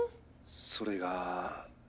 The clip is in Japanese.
それが。